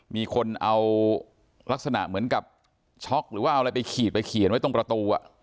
มีคนเอาลักษณะเหมือนกับช็อกหรือว่าเอาอะไรไปขีดไปเขียนไว้ตรงประตู